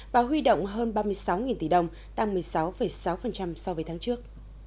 và huy động hơn ba mươi sáu tỷ đồng tăng một mươi sáu sáu so với tháng trước